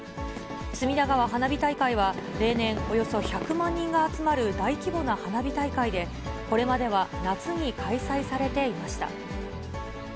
隅田川花火大会は、例年およそ１００万人が集まる大規模な花火大会で、これまでは夏に開催されていました。